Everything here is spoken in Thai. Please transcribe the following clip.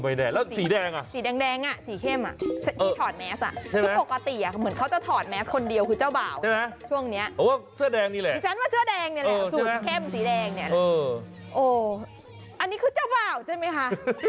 อันนี้คือเจ้าบ่าวใช่ไหมคะ